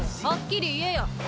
はっきり言えや。